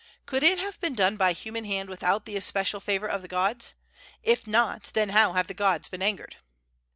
Could it have been done by human hand without the especial favor of the gods. If not, then how have the gods been angered?"